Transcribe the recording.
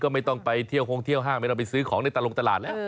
ไม่ต้องไปเที่ยวคงเที่ยวห้างไม่ต้องไปซื้อของในตาลงตลาดแล้ว